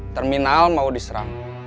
terminal mau diserang